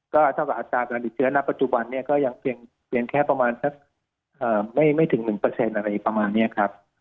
ก็เท่ากับอัตราการติดเชื้อณปัจจุบันนี้ก็ยังเพียงแค่ประมาณสักไม่ถึง๑อะไรประมาณนี้ครับ